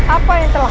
apa yang telah